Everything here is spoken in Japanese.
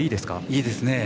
いいですね。